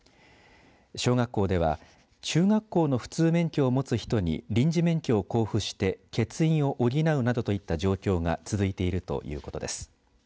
小学校では中学校の普通免許を持つ人に臨時免許を交付して欠員を補うなどといった状況が続いているということです。